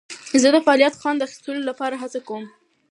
زه د فعالیت د خوند اخیستلو لپاره هڅه کوم.